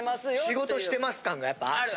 仕事してます感がやっぱある。